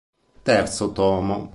Terzo tomo.